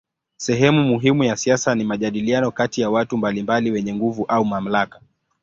Sehemu muhimu ya siasa ni majadiliano kati ya watu mbalimbali wenye nguvu au mamlaka.